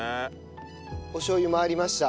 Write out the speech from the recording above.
おしょう油回りました。